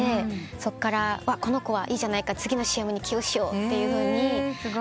そっから「この子はいいじゃないか」「次のＣＭに起用しよう」と決めてくださって。